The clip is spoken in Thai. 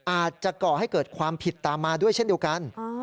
ก่อให้เกิดความผิดตามมาด้วยเช่นเดียวกัน